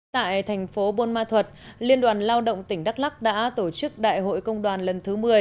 tại thành phố buôn ma thuật liên đoàn lao động tỉnh đắk lắc đã tổ chức đại hội công đoàn lần thứ một mươi